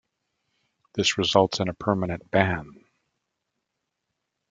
This results in a permanent ban.